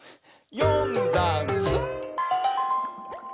「よんだんす」